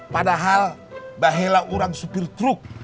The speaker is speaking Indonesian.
padahal bahela orang supir truk